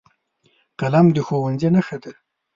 قلم د ښوونځي نښه ده